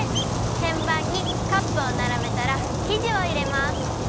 てんばんにカップをならべたらきじをいれます。